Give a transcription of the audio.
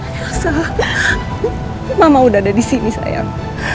saya mama udah ada di sini sayang